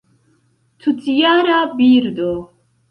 Tutjara birdo.